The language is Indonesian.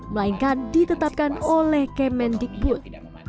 melainkan ditetapkan oleh kemendikbud